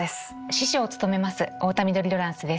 司書を務めます太田緑ロランスです。